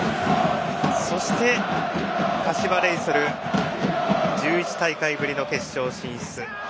そして、柏レイソルは１１大会ぶりの決勝進出。